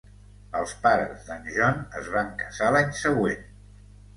Els pares d'en John es van casar l'any següent.